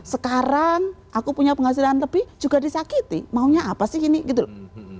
sekarang aku punya penghasilan lebih juga disakiti maunya apa sih gini gitu loh